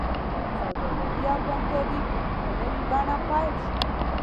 سوداګري او بانکداري په نوې بڼه پیل شوه.